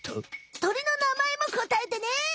鳥の名前もこたえてね！